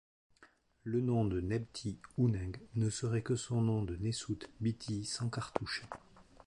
Le nom de Nebty-Ouneg ne serait que son nom de Nesout-bity sans cartouche.